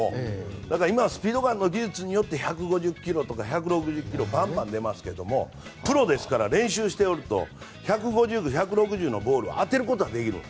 だから、今はスピードガンの技術によって１５０ｋｍとか１６０ｋｍとかバンバン出ますけどプロですから練習していると１５０、１６０のボールを当てることはできる。